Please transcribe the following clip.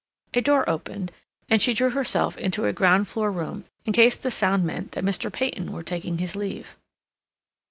A door opened, and she drew herself into a ground floor room in case the sound meant that Mr. Peyton were taking his leave.